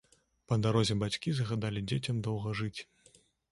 Па дарозе бацькі загадалі дзецям доўга жыць.